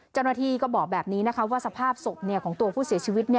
เจ้าหน้าที่ก็บอกแบบนี้นะคะว่าสภาพศพของตัวผู้เสียชีวิต